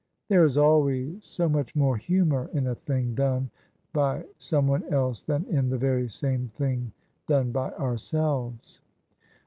There is always so much more humour in a thing done by someone else than in the very same thing done by ourselves.